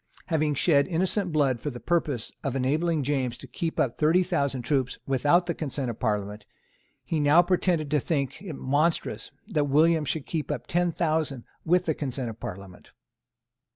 Having shed innocent blood for the purpose of enabling James to keep up thirty thousand troops without the consent of Parliament, he now pretended to think it monstrous that William should keep up ten thousand with the consent of Parliament.